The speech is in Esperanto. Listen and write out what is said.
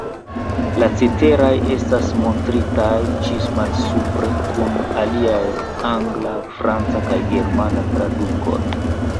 La ceteraj estas montritaj ĉi malsupre, kun iliaj Angla, Franca kaj Germana tradukoj.